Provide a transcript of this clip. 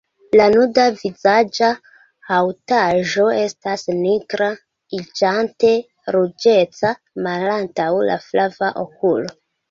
La nuda vizaĝa haŭtaĵo estas nigra, iĝante ruĝeca malantaŭ la flava okulo.